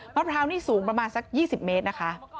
พร้าวนี่สูงประมาณสัก๒๐เมตรนะคะ